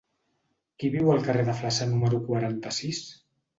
Qui viu al carrer de Flaçà número quaranta-sis?